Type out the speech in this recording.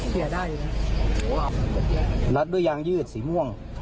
เขียนได้ลัดด้วยยางยืดสีม่วง